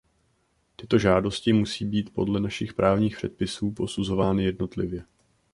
Tyto žádosti musí být podle našich právních předpisů posuzovány jednotlivě.